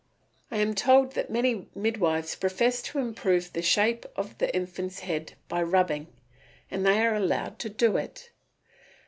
I am told that many midwives profess to improve the shape of the infant's head by rubbing, and they are allowed to do it.